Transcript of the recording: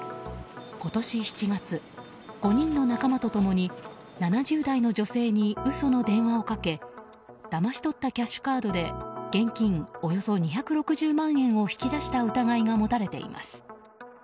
今年７月、５人の仲間と共に７０代の女性に嘘の電話をかけだまし取ったキャッシュカードで現金およそ２６０万円を引き出した疑いが持たれています。